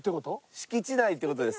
敷地内って事です。